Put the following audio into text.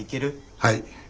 はい。